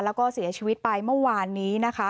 แล้วก็เสียชีวิตไปเมื่อวานนี้นะคะ